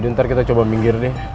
jadi ntar kita coba minggir nih